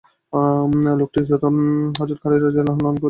লোকটি হযরত খালিদ রাযিয়াল্লাহু আনহু-কে দেখেই দৌড়ে নিচে নেমে আসে।